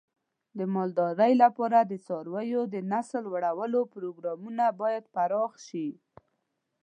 د مالدارۍ لپاره د څارویو د نسل لوړولو پروګرامونه باید پراخ شي.